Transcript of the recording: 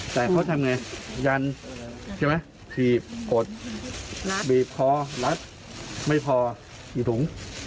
แต่เขาทำอย่างไรยันใช่ไหมพีบปลดปีบพอลัดไม่พออยู่ถุง